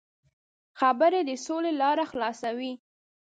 خبرې د سولې لاره خلاصوي.